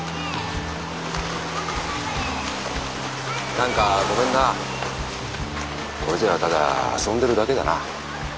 何かごめんなこれじゃただ遊んでるだけだな。